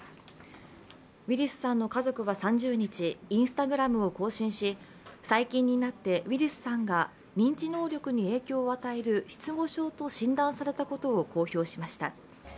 ウィリスさんの家族は３０日Ｉｎｓｔａｇｒａｍを更新し最近になってウィリスさんが認知能力に影響を与える失語症と診断されたことを公表しました。